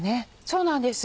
そうなんです。